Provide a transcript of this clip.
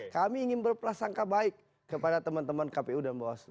kami ingin berprasangka baik kepada teman teman kpu dan bawaslu